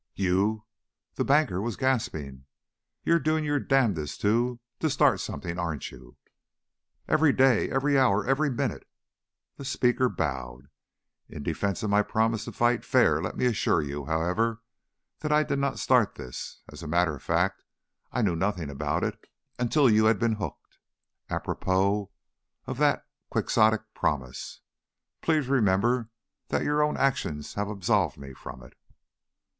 "You " The banker was gasping. "You're doing your damnedest to to start something, aren't you?" "Every day. Every hour. Every minute." The speaker bowed. "In defense of my promise to fight fair, let me assure you, however, that I did not start this. As a matter of fact, I knew nothing about it until you had been hooked. Apropos of that quixotic promise, please remember that your own actions have absolved me from it."